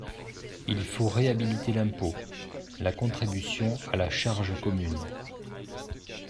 Il faut réhabiliter l’impôt, la contribution à la charge commune.